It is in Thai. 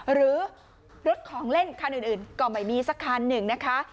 หรือรถของเล่นคันอื่นก็ไม่มีสักคันหนึ่งนะคะ